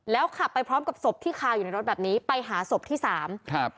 แล้วขับไปพร้อมกับศพที่คาวอยู่ในรถแบบนี้ไปหาศพที่สามครับ